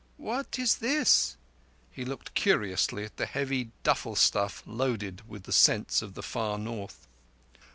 "What is this?" He looked curiously at the heavy duffle stuff loaded with the scents of the far North.